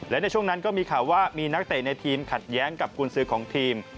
และในช่วงนั้นก็มีข่าวว่ามีนักเตะในทีมขัดแย้งกับกุญสือของทีม